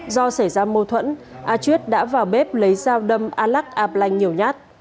do xảy ra mâu thuẫn a chuyết đã vào bếp lấy dao đâm a lắc ạp lành nhiều nhát